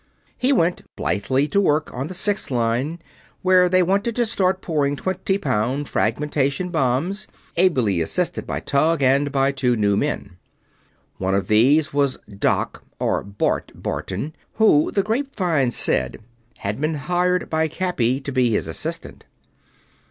He went blithely to work on the Six line, where they wanted to start pouring twenty pound fragmentation bombs, ably assisted by Tug and by two new men. One of these was "Doc" or "Bart" Barton, who, the grapevine said, had been hired by Cappy to be his Assistant.